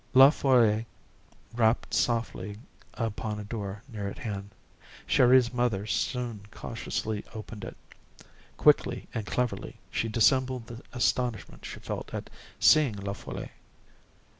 La Folle rapped softly upon a door near at hand. Chéri's mother soon cautiously opened it. Quickly and cleverly she dissembled the astonishment she felt at seeing La Folle.